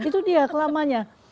itu dia kelamanya